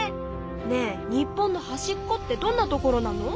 ねえ日本のはしっこってどんなところなの？